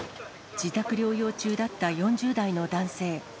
自宅療養中だった４０代の男性。